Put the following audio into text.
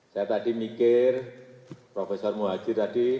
saya tadi mikir profesor muhajir tadi